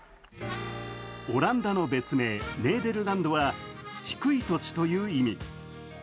オランダの別名・ネーデルランドは低い土地という意味。